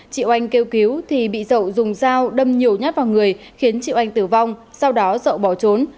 chị oanh kêu cứu thì bị dậu dùng dao đâm nhiều nhát vào người khiến chị oanh tử vong sau đó dậu bỏ trốn